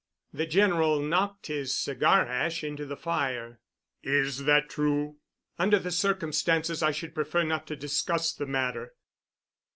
The General knocked his cigar ash into the fire. "Is that true?" "Under the circumstances I should prefer not to discuss the matter."